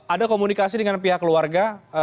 ada komunikasi dengan pihak keluarga